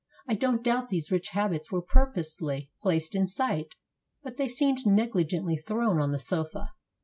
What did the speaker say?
I don't doubt these rich habits were purposely placed in sight, but they seemed negligently thrown on the sofa.